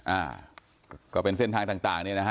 อ่าก็เป็นเส้นทางต่างเนี่ยนะฮะ